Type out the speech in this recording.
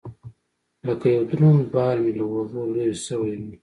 لكه يو دروند بار مې له اوږو لرې سوى وي.